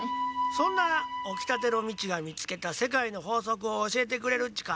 そんなおきたてのミチが見つけた世界の法則をおしえてくれるっちか？